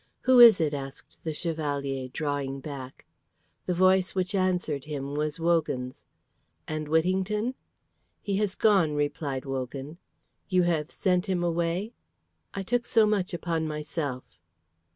"Who is it?" asked the Chevalier, drawing back. The voice which answered him was Wogan's. "And Whittington?" "He has gone," replied Wogan. "You have sent him away?" "I took so much upon myself."